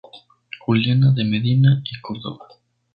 Juliana de Medina y Córdova.